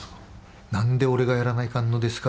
「何で俺がやらないかんのですか？」